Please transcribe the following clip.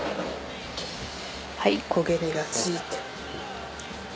はい焦げ目がついて。